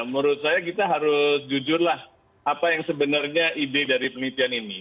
menurut saya kita harus jujurlah apa yang sebenarnya ide dari penelitian ini